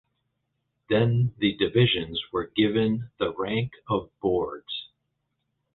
Then the divisions were given the rank of boards.